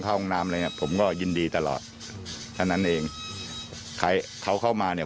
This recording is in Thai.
ก็คือผู้หญิงแล้วที่มาคุย